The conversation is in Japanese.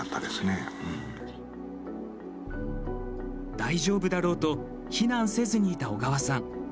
大丈夫だろうと避難せずにいた小川さん。